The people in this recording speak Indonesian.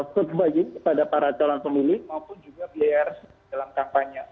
kemudian kepada para calon pemilik maupun juga biaya resmi dalam kampanye